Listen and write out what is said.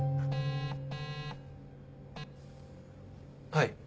はい。